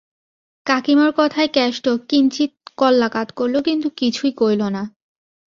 কাকীমার কথায় কেষ্ট কিঞ্চিৎ কল্লা কাৎ করল কিন্তু কিছুই কইলনা।